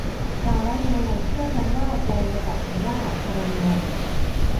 กาละแม เชื่อกันว่าแปลงมาจากคำว่าคาราเมล